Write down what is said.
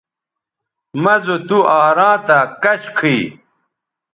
مہ زو تُوآراں تھا کش کھئ